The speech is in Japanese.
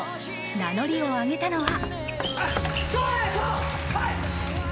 名乗りを上げたのは。